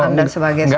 anda sebagai seorang